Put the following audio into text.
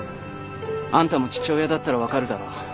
あんたも父親だったら分かるだろう。